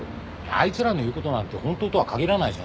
あいつらの言う事なんて本当とは限らないじゃないですか。